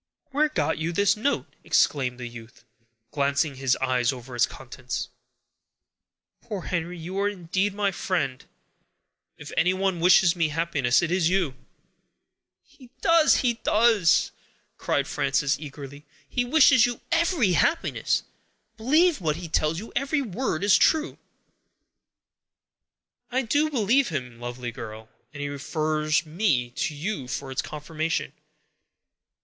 "Where got you this note?" exclaimed the youth, glancing his eyes over its contents. "Poor Henry, you are indeed my friend! If anyone wishes me happiness, it is you!" "He does, he does," cried Frances, eagerly; "he wishes you every happiness; believe what he tells you; every word is true." "I do believe him, lovely girl, and he refers me to you for its confirmation.